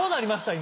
今。